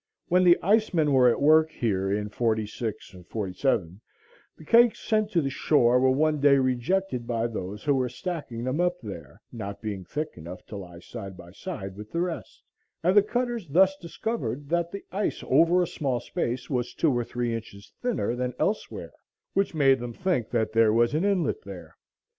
When the ice men were at work here in '46–7, the cakes sent to the shore were one day rejected by those who were stacking them up there, not being thick enough to lie side by side with the rest; and the cutters thus discovered that the ice over a small space was two or three inches thinner than elsewhere, which made them think that there was an inlet there.